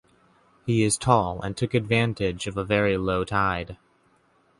He is tall and took advantage of a very low tide.